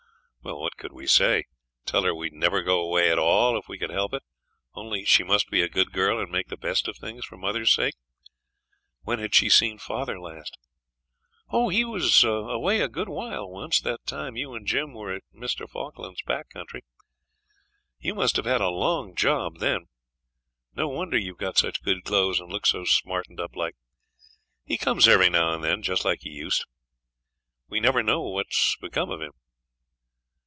Well, what could we say? Tell her we'd never go away at all if we could help it only she must be a good girl and make the best of things, for mother's sake? When had she seen father last? 'Oh! he was away a good while once; that time you and Jim were at Mr. Falkland's back country. You must have had a long job then; no wonder you've got such good clothes and look so smartened up like. He comes every now and then, just like he used. We never know what's become of him.'